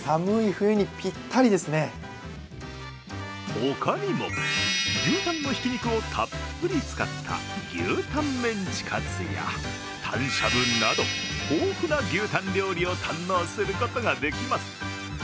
他にも牛タンのひき肉をたっぷり使った牛タンメンチカツやタンしゃぶなど豊富な牛タン料理を堪能することができます。